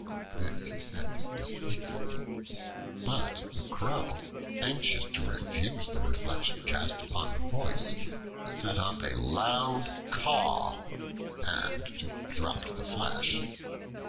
This he said deceitfully; but the Crow, anxious to refute the reflection cast upon her voice, set up a loud caw and dropped the flesh.